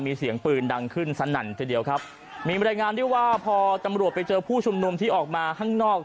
มีเสียงปืนดังขึ้นสนั่นทีเดียวครับมีบรรยายงานด้วยว่าพอตำรวจไปเจอผู้ชุมนุมที่ออกมาข้างนอก